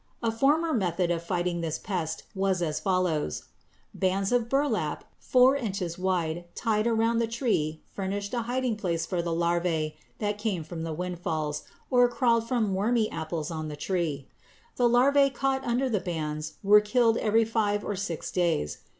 A former method of fighting this pest was as follows: bands of burlap four inches wide tied around the tree furnished a hiding place for larvæ that came from windfalls or crawled from wormy apples on the tree. The larvæ caught under the bands were killed every five or six days.